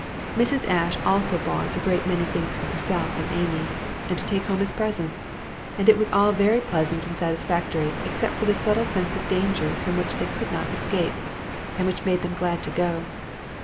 Mrs. Ashe also bought a great many things for herself and Amy, and to take home as presents; and it was all very pleasant and satisfactory except for that subtle sense of danger from which they could not escape and which made them glad to go.